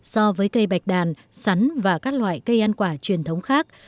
so với cây bạch đàn sắn và các loại cây ăn quả truyền thống khác